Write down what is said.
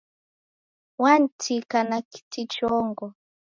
Wantika na kiti chongo